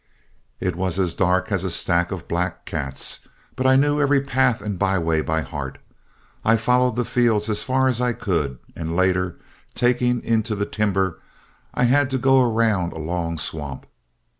"It was as dark as a stack of black cats, but I knew every path and byway by heart. I followed the fields as far as I could, and later, taking into the timber, I had to go around a long swamp.